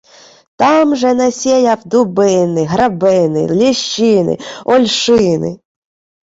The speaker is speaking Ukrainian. Там же насєяв дубини, грабини, лєщини, ольшини.